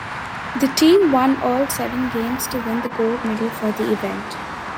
The team won all seven games to win the gold medal for the event.